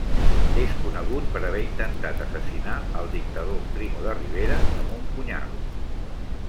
És conegut per haver intentat assassinar el dictador Primo de Rivera amb un punyal.